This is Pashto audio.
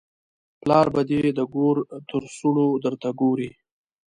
پلار به دې د ګور تر سوړو درته ګوري.